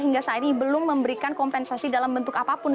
hingga saat ini belum memberikan kompensasi dalam bentuk apapun